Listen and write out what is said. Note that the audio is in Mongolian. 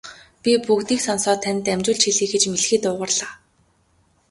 Би бүгдийг сонсоод танд дамжуулж хэлье гэж мэлхий дуугарлаа.